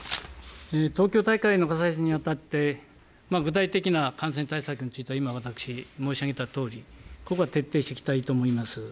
東京大会の開催にあたって具体的な感染対策については今、私、申し上げたとおり、ここは徹底していきたいと思います。